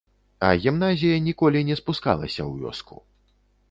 А гімназія ніколі не спускалася ў вёску.